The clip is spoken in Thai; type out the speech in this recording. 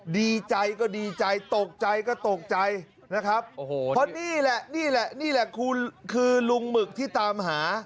ดีใจก็ดีใจตกใจก็ตกใจนะครับโอ้โหเพราะนี่แหละนี่แหละนี่แหละคุณคือลุงหมึกที่ตามหา